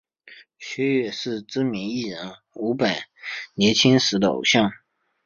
薛岳是知名艺人伍佰年轻时的偶像。